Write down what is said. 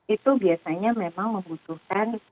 itu biasanya memang membutuhkan